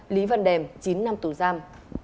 lý văn đềm chín năm tù giam